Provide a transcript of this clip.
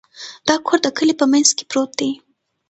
دا کور د کلي په منځ کې پروت دی.